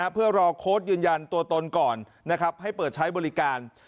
เพื่อรอโค้ดยืนยันตัวตนก่อนให้เปิดใช้บริการ